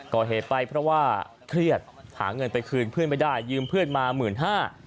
ก่อเหตุไปเพราะว่าเครียดหาเงินไปคืนเพื่อนไม่ได้ยืมเพื่อนมาหมื่นห้า